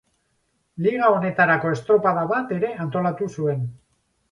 Liga honetarako estropada bat ere antolatu zuen.